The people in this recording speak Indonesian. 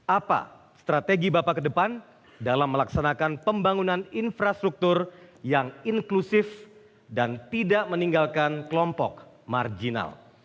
apa strategi bapak ke depan dalam melaksanakan pembangunan infrastruktur yang inklusif dan tidak meninggalkan kelompok marginal